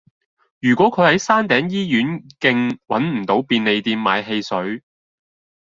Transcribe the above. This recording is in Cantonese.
如果佢喺山頂醫院徑搵唔到便利店買汽水